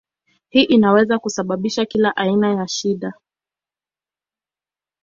Hii inaweza kusababisha kila aina ya shida.